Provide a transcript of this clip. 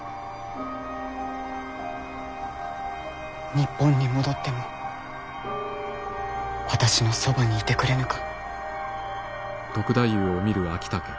日本に戻っても私のそばにいてくれぬか。